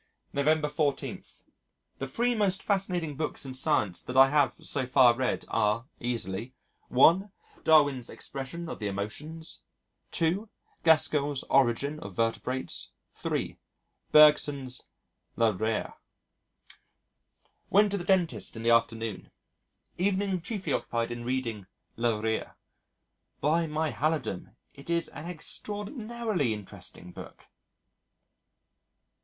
November 14. The three most fascinating books in Science that I have so far read are (easily): 1. Darwin's Expression of the Emotions. 2. Gaskell's Origin of Vertebrates. 3. Bergson's Le Rire. Went to the dentist in the afternoon. Evening chiefly occupied in reading Le Rire. By my halidom, it is an extraordinarily interesting book!